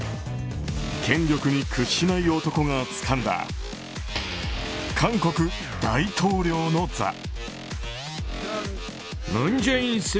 権力に屈しない男がつかんだ韓国大統領の座。